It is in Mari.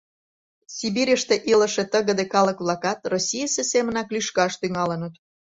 Сибирьыште илыше тыгыде калык-влакат Российысе семынак лӱшкаш тӱҥалыныт.